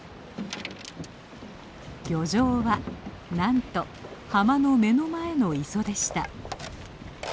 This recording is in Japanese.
漁場はなんと浜の目の前の磯でした。